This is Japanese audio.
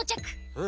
うん。